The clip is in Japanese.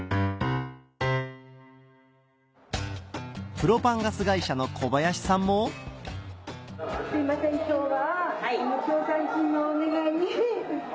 プロパンガス会社の小林さんもすいません今日は。